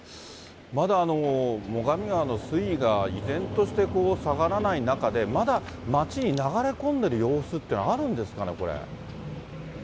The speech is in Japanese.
まだ、最上川の水位が依然として下がらない中で、まだ街に流れ込んでる様子というのはあるんですかね、これ。